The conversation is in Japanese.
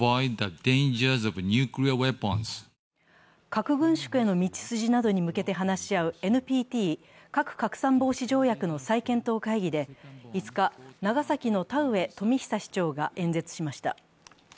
核軍縮への道筋などに向けて話し合うＮＰＴ＝核拡散防止条約の再検討会議で５日、長崎の田上富久市長が演説しました。